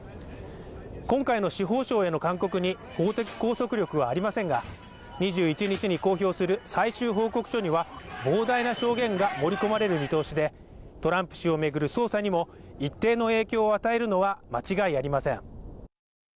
今回の司法省への勧告に法的拘束力はありませんが２１日に公表する最終報告書には膨大な証言が盛り込まれる見通しでトランプ氏をめぐる捜査にも一定の影響を与えるのは間違いありません